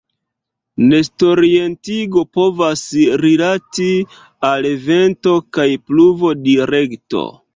Nestorientigo povas rilati al vento kaj pluvodirekto.